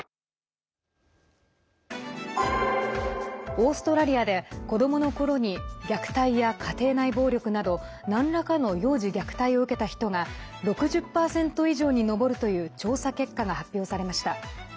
オーストラリアで子どものころに虐待や家庭内暴力などなんらかの児童虐待を受けた人が６０％以上に上るという調査結果が発表されました。